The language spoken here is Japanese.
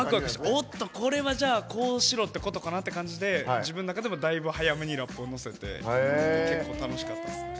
おっとこれはじゃあこうしろってことかなって感じで自分の中でもたいぶ早めにラップを乗せて結構楽しかったですね。